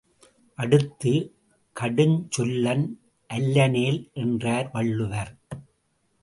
அடுத்து, கடுஞ்சொல்லன் அல்லனேல் என்றார் வள்ளுவர்.